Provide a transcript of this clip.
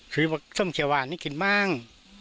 คือส้มเขียวหวานนี่กินบ้าง